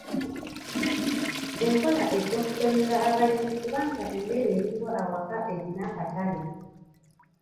Enkola ejja kuganyula abalimi kubanga emmere eriibwa awaka erina akatale.